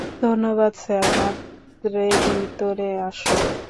ধন্যবাদ স্যার মাত্রে ভিতরে আসো।